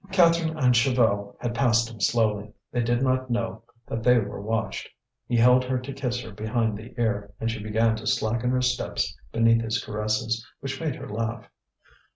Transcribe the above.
Catherine and Chaval had passed him slowly. They did not know that they were watched. He held her to kiss her behind the ear, and she began to slacken her steps beneath his caresses, which made her laugh.